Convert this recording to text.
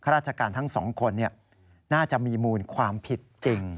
ราชการทั้งสองคนน่าจะมีมูลความผิดจริง